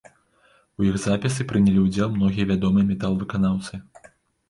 У іх запісы прынялі ўдзелу многія вядомыя метал-выканаўцы.